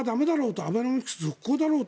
アベノミクス続行だろうと。